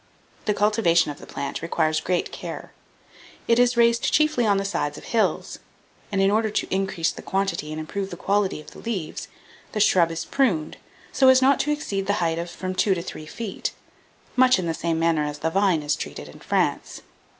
The cultivation of the plant requires great care. It is raised chiefly on the sides of hills; and, in order to increase the quantity and improve the quality of the leaves, the shrub is pruned, so as not to exceed the height of from two to three feet, much in the same manner as the vine is treated in France.